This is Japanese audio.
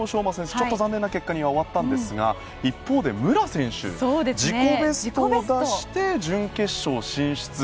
ちょっと残念な結果に終わったんですが一方で武良選手自己ベストを出して準決勝進出。